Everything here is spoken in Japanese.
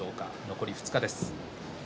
残り２日です。